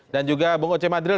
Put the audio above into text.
dan juga bung oce madril